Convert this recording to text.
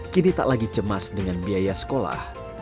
kini tak lagi cemas dengan biaya sekolah